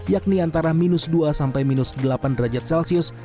yakni antara minus dua sampai minus delapan derajat celcius